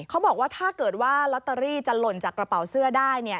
เขาบอกว่าถ้าเกิดว่าลอตเตอรี่จะหล่นจากกระเป๋าเสื้อได้